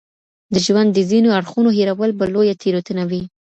د ژوند د ځينو اړخونو هېرول به لويه تېروتنه وي.